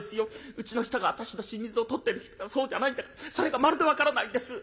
うちの人が私の死に水を取ってるそうじゃないんだかそれがまるで分からないんです」。